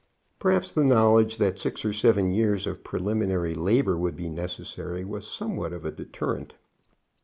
Perhaps the knowledge that six or seven years of preliminary labor would be necessary was somewhat of a deterrent.